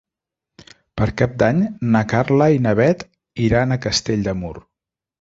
Per Cap d'Any na Carla i na Bet iran a Castell de Mur.